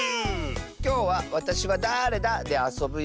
きょうは「わたしはだれだ？」であそぶよ！